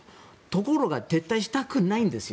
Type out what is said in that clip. ところが撤退したくないんです。